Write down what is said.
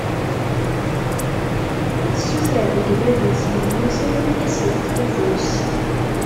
Ad tessuter deg baba-s yemmuten ad as-yeṭṭef afus.